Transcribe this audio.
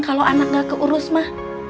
kalau anak gak keurus mah